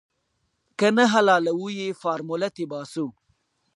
که نه حلالوو يې فارموله تې باسو.